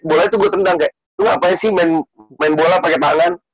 bolanya tuh gue tentang kaya lu ngapain sih main bola pake tangan